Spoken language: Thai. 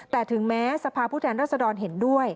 แต่ถึงแม้สภาพผู้แทนรัศดรเห็นด้วย